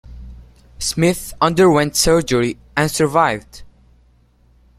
Smith underwent surgery and survived.